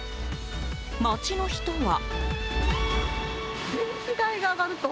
街の人は。